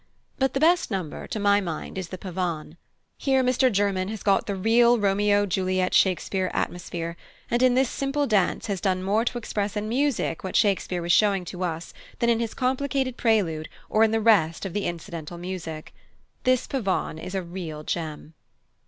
But the best number, to my mind, is the Pavane. Here Mr German has got the real Romeo Juliet Shakespeare atmosphere, and in this simple dance has done more to express in music what Shakespeare was showing to us than in his complicated prelude or in the rest of the incidental music. This Pavane is a real gem.